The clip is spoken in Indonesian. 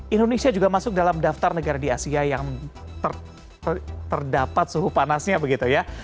indonesia juga masuk dalam daftar negara di asia yang terdapat suhu panasnya begitu ya